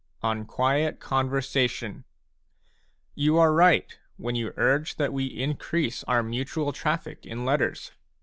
ON QUIET CONVERSATION You are right when you urge that we increase our mutual traffic in letters.